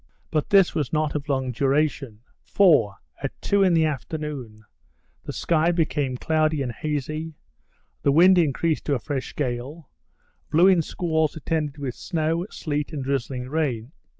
But this was not of long duration; for, at two in the afternoon, the sky became cloudy and hazy, the wind increased to a fresh gale, blew in squalls attended with snow, sleet, and drizzling rain.